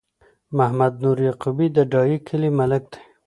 محمد نور یعقوبی د ډایی کلی ملک دی